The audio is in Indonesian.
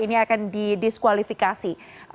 ini akan di disqualifikasi